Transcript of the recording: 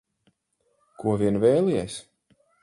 Ko vien vēlies.